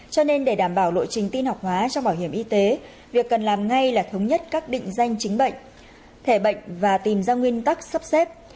cho nên để đảm bảo lộ trình tin học hóa trong bảo hiểm y tế việc cần làm ngay là thống nhất các định danh chính bệnh thẻ bệnh và tìm ra nguyên tắc sắp xếp